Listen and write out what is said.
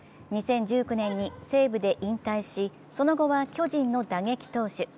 ２０１９年に西武で引退し、その後は巨人の打撃投手。